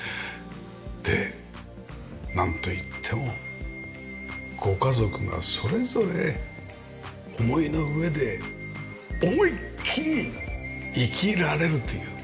でなんといってもご家族がそれぞれ思いの上で思いっきり生きられるというか。